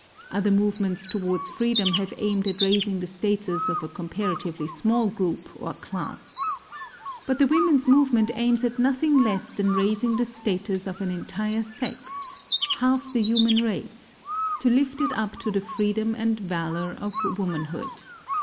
Other movements towards freedom have aimed at raising the status of a comparatively small group or class. But the women's movement aims at nothing less than raising the status of an entire sex—half the human race—to lift it up to the freedom and valour of womanhood.